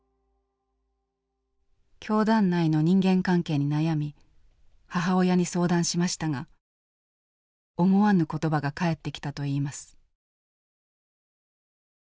教団内の人間関係に悩み母親に相談しましたが思わぬ言葉が返ってきたといいます。